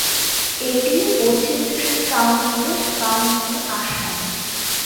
এটি ওচিল্ট্রি কাউন্টির কাউন্টি আসন।